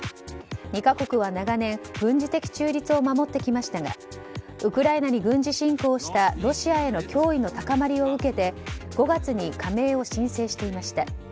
２か国は長年軍事的中立を守ってきましたがウクライナに軍事侵攻したロシアへの脅威の高まりを受け５月に加盟を申請していました。